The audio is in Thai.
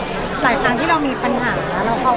เพราะฉะนั้นเนี่ยด้วยความที่ว่าเราคุยกันได้ค่อนข้างหลากหลายอะค่ะ